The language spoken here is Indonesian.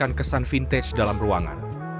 anda bisa menghadirkan barang barang vintage di ruangan ini